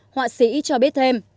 hoạn sĩ cho biết thêm